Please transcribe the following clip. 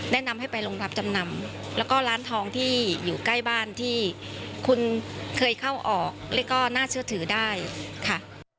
แนะนำให้ไปโรงรับจำนำแล้วก็ร้านทองที่อยู่ใกล้บ้านที่คุณเคยเข้าออกแล้วก็น่าเชื่อถือได้ค่ะ